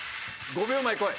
５秒前こい！